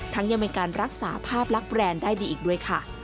ทั้งยังมีการรักษาภาพรักแบรนด์ได้ดีอีกด้วยค่ะ